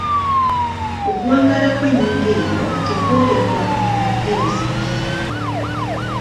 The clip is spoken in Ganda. Okuwangaala kw’ennyingo eyo tekwolekwa na mpeerezi bbiri.